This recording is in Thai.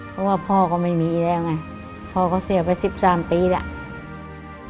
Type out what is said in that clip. เพราะว่าพ่อก็ไม่มีแล้วไงพ่อก็เสียไป๑๓ปีแล้ว